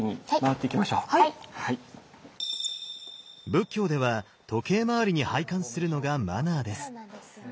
仏教では時計回りに拝観するのがマナーです。